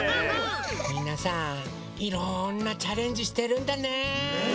みんなさいろんなチャレンジしてるんだね。